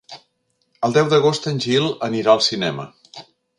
El deu d'agost en Gil anirà al cinema.